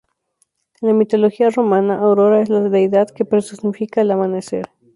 En la mitología romana, Aurora es la deidad que personifica el amanecer.